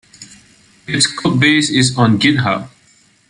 Its codebase is on GitHub.